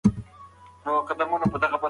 پوهه تر ناپوهۍ ډېره ګټه لري.